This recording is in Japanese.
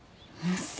嘘。